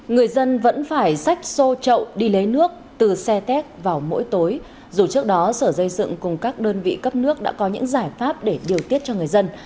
người dân vẫn phải sách sô trậu đi lấy nước từ xe tét vào mỗi tối dù trước đó sở dây dựng cùng các đơn vị cấp nước đã có những giải pháp để điều tiết cho người dân